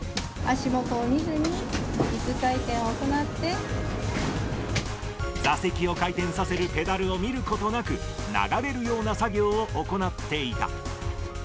足元を見ずに、いす回転を行座席を回転させるペダルを見ることなく、流れるような作業を行っていた。